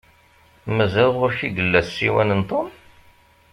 Mazal ɣur-k i yella ssiwan n Tom?